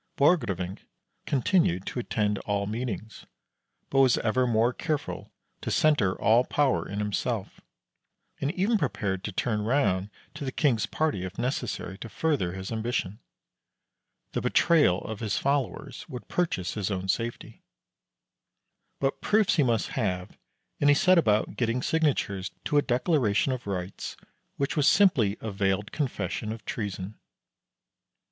Borgrevinck continued to attend all meetings, but was ever more careful to centre all power in himself, and even prepared to turn round to the king's party if necessary to further his ambition. The betrayal of his followers would purchase his own safety. But proofs he must have, and he set about getting signatures to a declaration of rights which was simply a veiled confession of treason.